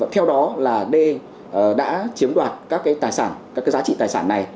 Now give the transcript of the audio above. theo đó là d đã chiếm đoạt các giá trị tài sản này